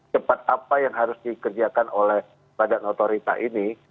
sepat apa yang harus dikerjakan oleh badan notorita ini